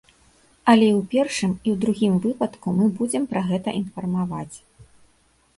Але і ў першым, і ў другім выпадку мы будзем пра гэта інфармаваць.